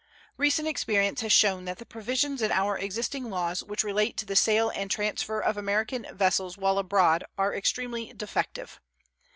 Recent experience has shown that the provisions in our existing laws which relate to the sale and transfer of American vessels while abroad are extremely defective.